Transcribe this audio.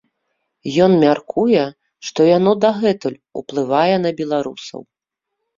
Ён мяркуе, што яно дагэтуль уплывае на беларусаў.